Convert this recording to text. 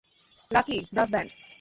Lucky brass band!